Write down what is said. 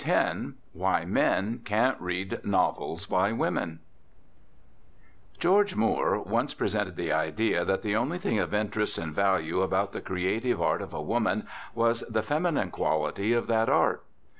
X WHY MEN CAN'T READ NOVELS BY WOMEN George Moore once presented the idea that the only thing of interest and value about the creative art of a woman was the feminine quality of that art.